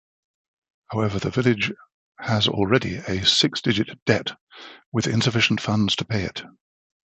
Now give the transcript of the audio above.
However the village has already a six-digit debt with insufficient funds to pay it.